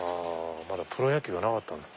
まだプロ野球がなかったんだ。